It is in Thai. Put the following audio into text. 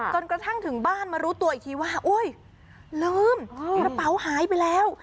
กระทั่งถึงบ้านมารู้ตัวอีกทีว่าโอ๊ยลืมกระเป๋าหายไปแล้ว